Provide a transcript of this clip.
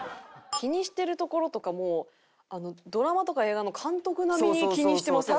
気にしてるところとかもうドラマとか映画の監督並みに気にしてますよね。